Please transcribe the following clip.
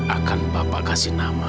akan bapak kasih nama